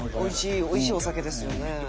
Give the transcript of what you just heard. おいしいお酒ですよね。